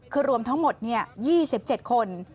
คือรวมทั้งหมด๒๗คน